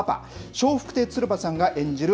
笑福亭鶴瓶さんが演じる